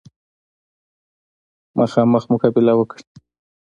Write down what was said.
مخامخ مقابله وکړي.